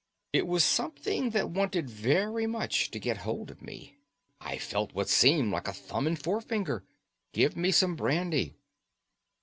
"It was something that wanted very much to get hold of me. I felt what seemed like a thumb and forefinger. Give me some brandy."